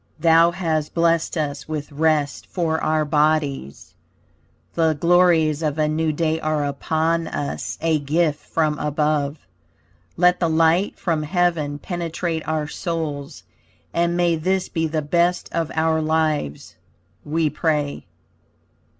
Thou hast blessed us with rest for our bodies, The glories of a new day are upon us, a gift from above. Let the light from heaven penetrate our souls, and may this be the best of our lives, we pray.